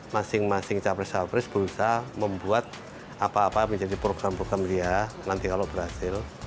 masing masing capres capres berusaha membuat apa apa menjadi program program dia nanti kalau berhasil